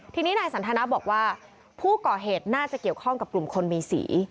ทีนี้นายสันทนาบอกว่าผู้ก่อเหตุน่าจะเกี่ยวข้องกับกลุ่มคนมีสี